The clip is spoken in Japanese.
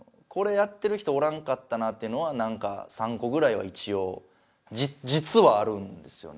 これやってる人おらんかったなっていうのは何か３個ぐらいは一応実はあるんですよね。